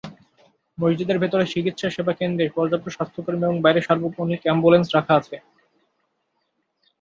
মসজিদের ভেতরে চিকিৎসাসেবা কেন্দ্রে পর্যাপ্ত স্বাস্থ্যকর্মী এবং বাইরে সার্বক্ষণিক অ্যাম্বুলেন্স রাখা আছে।